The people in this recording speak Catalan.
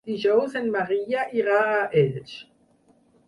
Dijous en Maria irà a Elx.